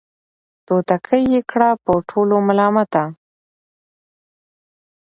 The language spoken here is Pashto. توتکۍ یې کړه په ټولو ملامته